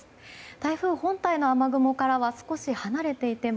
台風本体の雨雲からは少し離れていても